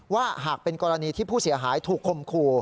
ว่าหากเป็นกรณีที่ผู้เสียหายถูกคมคู่